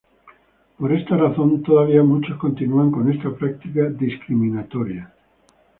Por esta razón, todavía muchos continúan con esta práctica discriminatoria.